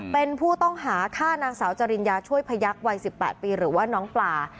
เป็นผู้ต้องหาฆ่านางสาวจริญญาช่วยพยักษ์วัย๑๘ปีหรือว่าน้องปลา